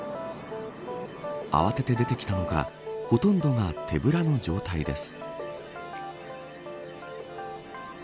慌てて出て来たのかほとんどが、手ぶらの状態です。